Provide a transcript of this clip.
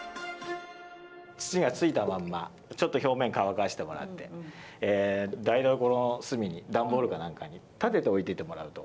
土がついたままちょっと表面乾かしてもらって台所の隅に段ボールか何かに立てて置いててもらうと。